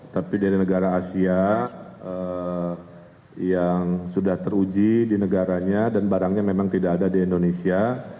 tapi dari negara asia yang sudah teruji di negaranya dan barangnya memang tidak ada di indonesia